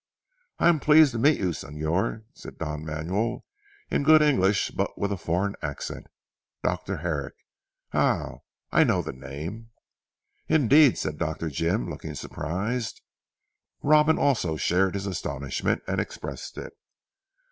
"I am pleased to meet you Señor," said Don Manuel in good English but with a foreign accent. "Dr. Herrick? Ah! I know the name." "Indeed!" said Dr. Jim, looking surprised. Robin also shared his astonishment, and expressed it.